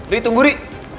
riri tunggu riri